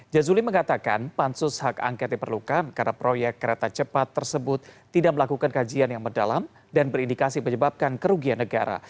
jazuli mengatakan pansus hak angket diperlukan karena proyek kereta cepat tersebut tidak melakukan kajian yang mendalam dan berindikasi menyebabkan kerugian negara